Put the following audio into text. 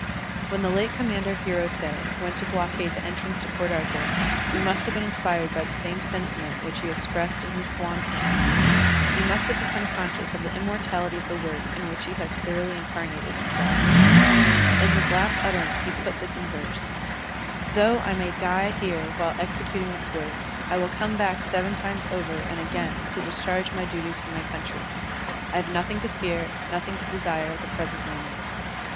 When the late commander Hiros6 went to blockade the entrance to Port Arthur, he must have been inspired by the same sentiment which he expressed in his swan song; he must have become conscious of the immortality of the work in which he has thoroughly incarnated himself. Digitized by Google BUDDHISM AND ORIENTAL CULTURE 1 75 In his last utterance he put this in verse :" Though I may die here while executing this work, I will come back seven times over and again to dis charge my duties for my country. I have nothing to fear, nothing to desire at the present moment.